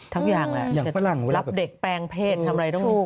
ทั้งอย่างแหละรับเด็กแปลงเพศทำอะไรต้อง